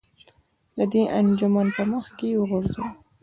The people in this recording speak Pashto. د دې انجمن په مخ کې یې وغورځوه.